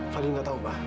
fadil gak tau mba